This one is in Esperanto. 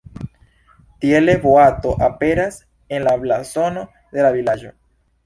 Tiele boato aperas en la blazono de la vilaĝo.